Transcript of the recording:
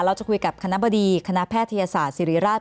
เราจะคุยกับคณะบดีคณะแพทยศาสตร์ศิริราช